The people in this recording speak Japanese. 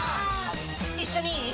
一緒にいい？